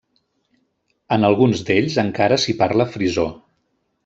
En alguns d'ells encara s'hi parla frisó.